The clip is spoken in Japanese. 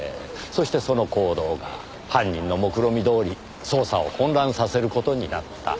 そしてその行動が犯人のもくろみどおり捜査を混乱させる事になった。